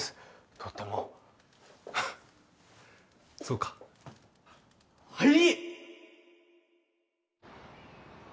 とってもそうかはい！